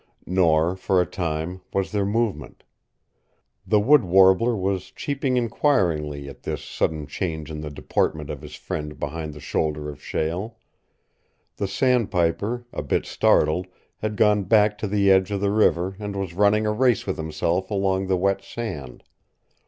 Nor, for a time, was there movement. The wood warbler was cheeping inquiringly at this sudden change in the deportment of his friend behind the shoulder of shale. The sandpiper, a bit startled, had gone back to the edge of the river and was running a race with himself along the wet sand.